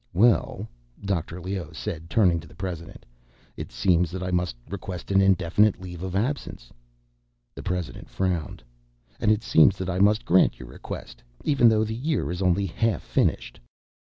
"Well," Dr. Leoh said, turning to the president, "it seems that I must request an indefinite leave of absence." The president frowned. "And it seems that I must grant your request—even though the year is only half finished."